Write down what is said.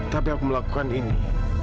tapi aku melakukan ini